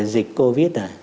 dịch covid này